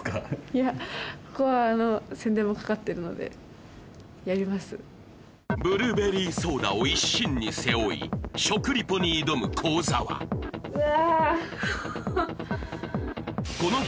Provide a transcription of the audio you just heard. いやここはあのブルーベリーソーダを一身に背負い食リポに挑む幸澤うわあ